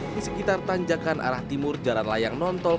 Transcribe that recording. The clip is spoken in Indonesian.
di sekitar tanjakan arah timur jalan layang nontol